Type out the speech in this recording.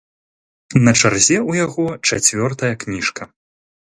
На чарзе ў яго чацвёртая кніжка.